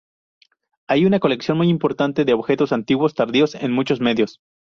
Hay una colección muy importante de objetos antiguos tardíos en muchos medios.